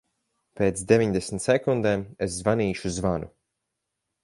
Pēc deviņdesmit sekundēm es zvanīšu zvanu.